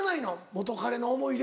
元カレの思い出。